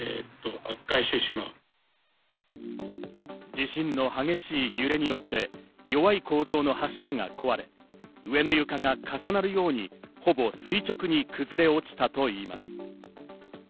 地震の激しい揺れによって弱い構造の柱が壊れ、上の柱が重なるように、ほぼ垂直に崩れ落ちたといいます。